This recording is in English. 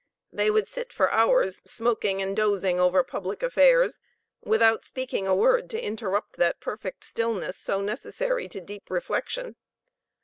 They would sit for hours smoking and dozing over public affairs, without speaking a word to interrupt that perfect stillness so necessary to deep reflection.